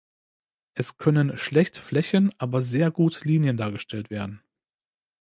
Es können schlecht Flächen, aber sehr gut Linien dargestellt werden.